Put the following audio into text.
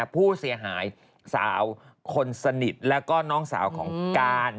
ผู้เสียหายสาวคนสนิทแล้วก็น้องสาวของการ